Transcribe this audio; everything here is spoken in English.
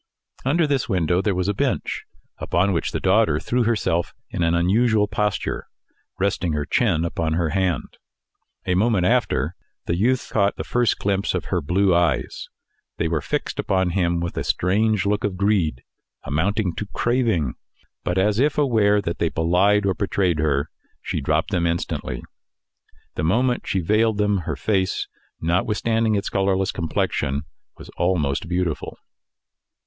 Under this window there was a bench, upon which the daughter threw herself in an unusual posture, resting her chin upon her hand. A moment after, the youth caught the first glimpse of her blue eyes. They were fixed upon him with a strange look of greed, amounting to craving, but, as if aware that they belied or betrayed her, she dropped them instantly. The moment she veiled them, her face, notwithstanding its colourless complexion, was almost beautiful.